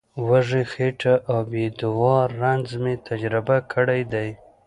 وږې خېټه او بې دوا رنځ مې تجربه کړی دی.